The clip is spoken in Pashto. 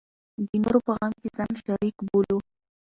د نورو په غم کې ځان شریک بولو.